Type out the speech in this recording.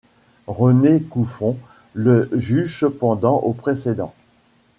René Couffon le juge cependant aux précédents.